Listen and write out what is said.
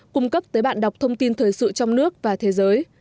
cung cấp tới bạn đọc thông tin thời sự trong nước và thế giới